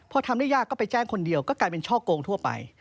พอทำได้ยากก็ไปแจ้งคนเดียวก็กลายเป็นช่อโกงทั่วไป